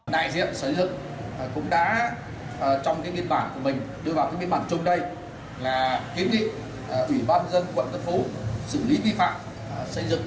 đại diện xây dựng cũng đã trong cái biên bản của mình đưa vào cái biên bản chung đây là kiến nghị ủy ban dân quận tân phú xử lý vi phạm xây dựng